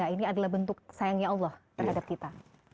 ini adalah bentuk sayangnya allah terhadap kita